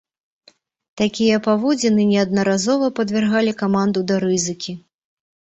Такія паводзіны неаднаразова падвяргалі каманду да рызыкі.